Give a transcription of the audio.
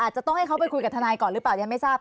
จะต้องให้เขาไปคุยกับทนายก่อนหรือเปล่ายังไม่ทราบ